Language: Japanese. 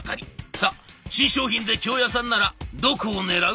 さあ新商品で京谷さんならどこを狙う？」。